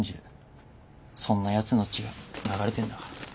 そんなやつの血が流れてんだから。